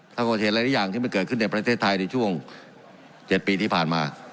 ถ้าคนเห็นอะไรอย่างที่ไม่เกิดขึ้นในประเทศไทยในช่วงเจ็ดปีที่ผ่านมา